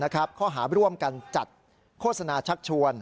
ข้อหาร่วมกันจัดโฆษณาชักชวน